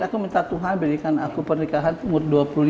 aku minta tuhan berikan aku pernikahan umur dua puluh lima